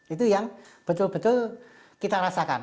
itu yang betul betul kita rasakan